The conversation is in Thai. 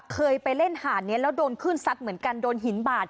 เคยไปเล่นหาดนี้แล้วโดนขึ้นซัดเหมือนกันโดนหินบาด